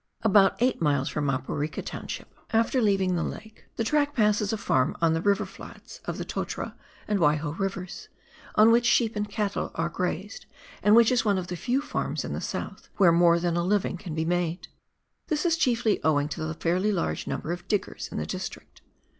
About eight miles from Maporika township, after leaving WAIHO RIVER FRANZ JOSEF GLACIER. 49 tlie lake, the track passes a farm on the river flats of the Totara and Waiho Rivers, on which sheep and cattle are grazed, and which is one of the few farms in the south where more than a living can be made. This is chieflj' owing to the fairly large number of diggers in the district.